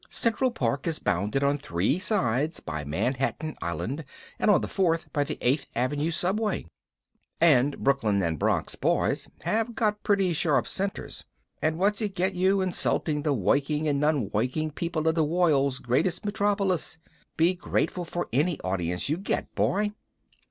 Central Park is bounded on three sides by Manhattan Island and on the fourth by the Eighth Avenue Subway. And Brooklyn and Bronx boys have got pretty sharp scenters. And what's it get you insulting the woiking and non woiking people of the woild's greatest metropolis? Be grateful for any audience you get, boy.